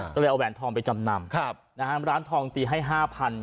ก็เลยเอาแหวนทองไปจำนำร้านทองตีให้๕๐๐๐บาท